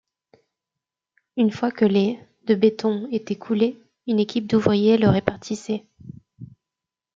Une fois que les de béton étaient coulés, une équipe d'ouvriers le répartissait.